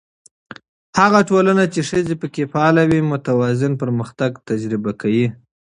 هغه ټولنه چې ښځې پکې فعاله وي، متوازن پرمختګ تجربه کوي.